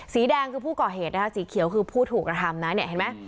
สีแดงคือผู้ก่อเหตุสีเขียวคือผู้ถูกกระทำนะ